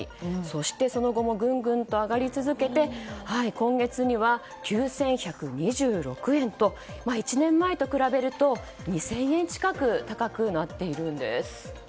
そして、その後もぐんぐんと上がり続けて今月には９１２６円と１年前と比べると２０００円近く高くなっているんです。